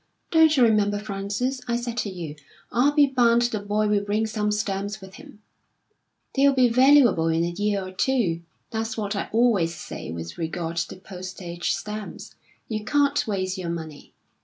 Don't you remember, Frances, I said to you, 'I'll be bound the boy will bring some stamps with him.' They'll be valuable in a year or two. That's what I always say with regard to postage stamps; you can't waste your money.